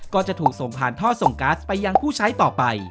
ก็จะถูกส่งผ่านท่อส่งกัสไปยังผู้ใช้ต่อไป